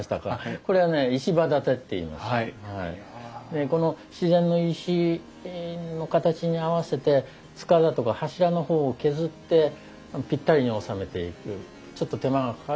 でこの自然の石の形に合わせて束だとか柱の方を削ってぴったりに収めていくちょっと手間がかかる昔の方法ですね。